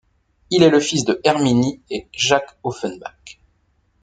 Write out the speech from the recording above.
Il est le fils de Herminie et Jacques Offenbach.